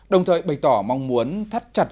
đồng thời bày tỏ mong muốn thắt chặt